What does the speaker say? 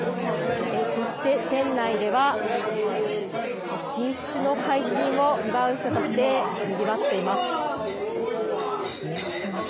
そして、店内では新酒の解禁を祝う人たちでにぎわっています。